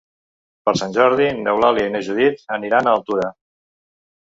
Per Sant Jordi n'Eulàlia i na Judit aniran a Altura.